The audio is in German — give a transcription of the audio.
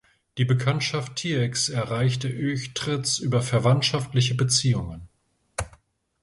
Die Bekanntschaft Tiecks erreichte Uechtritz über verwandtschaftliche Beziehungen.